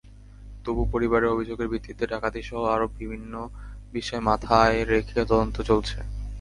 তবু পরিবারের অভিযোগের ভিত্তিতে ডাকাতিসহ আরও বিভিন্ন বিষয় মাথায় রেখে তদন্ত চলছে।